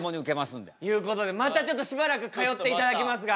いうことでまたちょっとしばらく通っていただきますが。